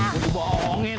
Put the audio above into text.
gua tuh bohongin